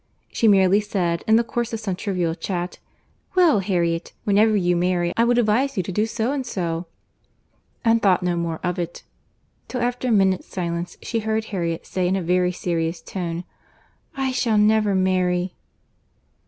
She merely said, in the course of some trivial chat, "Well, Harriet, whenever you marry I would advise you to do so and so"—and thought no more of it, till after a minute's silence she heard Harriet say in a very serious tone, "I shall never marry."